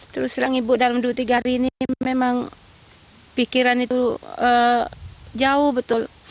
terus terang ibu dalam dua tiga hari ini memang pikiran itu jauh betul